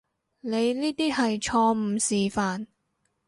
你呢啲係錯誤示範